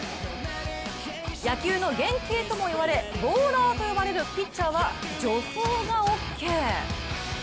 野球の原型とも言われ、ボーラーと呼ばれるピッチャーは女性がオッケー。